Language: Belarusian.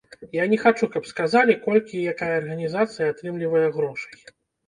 Я не хачу, каб сказалі, колькі і якая арганізацыя атрымлівае грошай.